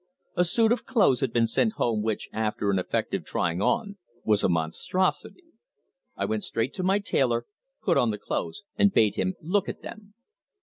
A suit of clothes had been sent home which, after an effective trying on, was a monstrosity. I went straight to my tailor, put on the clothes and bade him look at them.